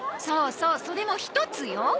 そうそうそれも１つよ。